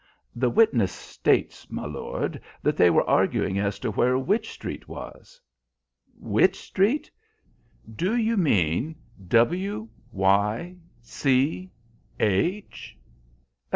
"The witness states, my lord, that they were arguing as to where Wych Street was." "Wych Street? Do you mean W Y C H?"